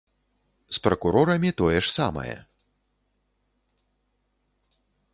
З пракурорамі тое ж самае.